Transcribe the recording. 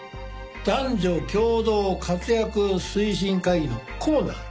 男女共同活躍推進会議の顧問だから。